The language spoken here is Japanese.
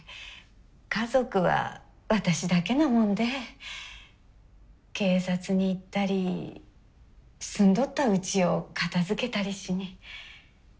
家族は私だけなもんで警察に行ったり住んどったうちを片づけたりしに。